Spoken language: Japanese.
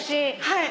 はい。